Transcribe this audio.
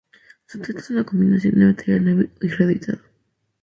Se trata de una combinación de material nuevo y reeditado.